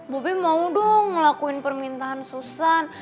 bobi mau dong ngelakuin permintaan susan